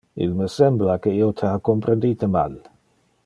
Il me sembla que io te ha comprendite mal.